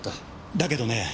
だけどね